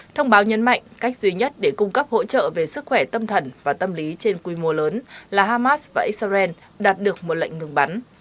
thông báo nhấn mạnh cách duy nhất để cung cấp hỗ trợ về sức khỏe tâm thần và tâm lý trên quy mô lớn là hamas và israel đạt được một lệnh ngừng bắn